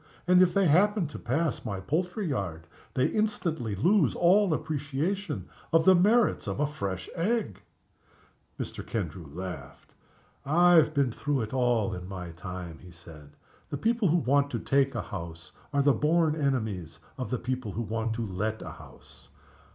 And, if they happen to pass my poultry yard, they instantly lose all appreciation of the merits of a fresh egg!" Mr. Kendrew laughed. "I have been through it all in my time," he said. "The people who want to take a house are the born enemies of the people who want to let a house.